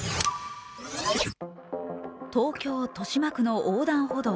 東京・豊島区の横断歩道。